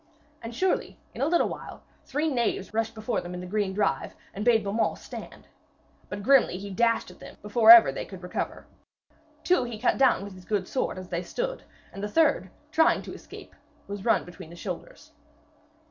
And surely, in a little while, three knaves rushed forth before them in the green drive and bade Beaumains stand. But grimly he dashed at them, before ever they could recover. Two he cut down with his good sword as they stood, and the third, trying to escape, was run between the shoulders.